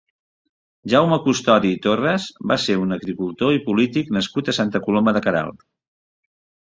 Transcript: Jaume Custodi i Torres va ser un agricultor i polític nascut a Santa Coloma de Queralt.